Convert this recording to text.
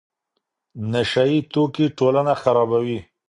نشه یي توکي ټولنه خرابوي.